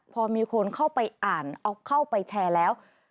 พอมีคนเข้าไปอ่านเอาเข้าไปแชร์แล้ว